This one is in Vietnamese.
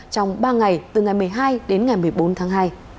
trong ba ngày từ ngày một mươi hai đến ngày một mươi bốn tháng hai